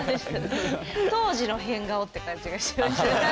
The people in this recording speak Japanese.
当時の変顔って感じがしましたよね。